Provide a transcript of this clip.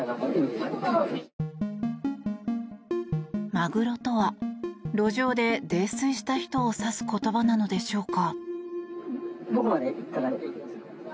マグロとは路上で泥酔した人を指す言葉なのでしょうか。